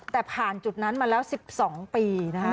แต่ผ่านจุดนั้นมาแล้ว๑๒ปีนะคะ